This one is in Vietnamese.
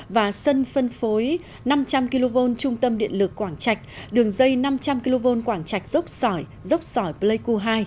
và sân phân phối năm trăm linh kv trung tâm điện lực quảng trạch đường dây năm trăm linh kv quảng trạch dốc sỏi dốc sỏi pleiku hai